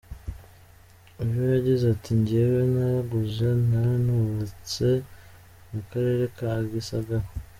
Uyu we yagize ati “Jyewe naraguze naranubatse mu Karere ka Gisagara.